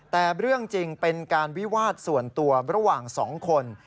แต่เรื่องจริงเป็นการวิวาสส่วนตัวระหว่าง๒คน